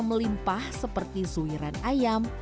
melimpah seperti suiran ayam